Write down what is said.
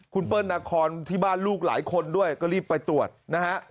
คุณเปิ้ลนาคอนที่บ้านลูกหลายคนด้วยก็รีบไปตรวจนะฮะ